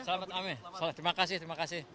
selamat amir terima kasih terima kasih